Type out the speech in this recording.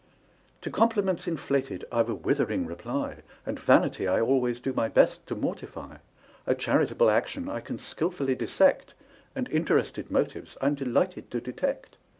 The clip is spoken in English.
To compliments inflated I've a withering reply; And vanity I always do my best to mortify; A charitable action I can skilfully dissect: And interested motives I'm delighted to detect.